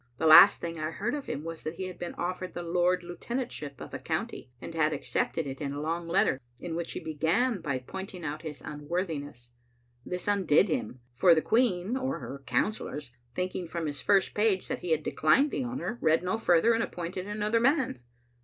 The last thing I heard of him was that he had been offered the Lord Lieutenantship of a county, and had accepted it in a long letter, in which he began by point ing out his unworthiness. This undid him, for the Queen, or her councillors, thinking from his first page that he had declined the honor, read no further, and appointed another man.